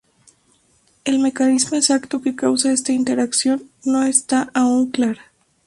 El mecanismo exacto que causa esta interacción no está aún clara.